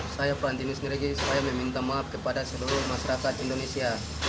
saya perantinu sinergi saya meminta maaf kepada seluruh masyarakat indonesia